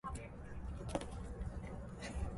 وَبِبَيْتِهِ يُتِمُّهَا